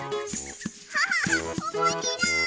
キャハハおもしろい！